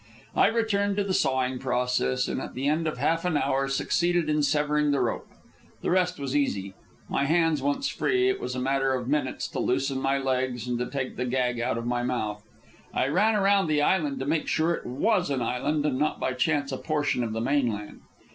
I returned to the sawing process, and at the end of half an hour succeeded in severing the rope. The rest was easy. My hands once free, it was a matter of minutes to loosen my legs and to take the gag out of my mouth. I ran around the island to make sure it was an island and not by chance a portion of the mainland.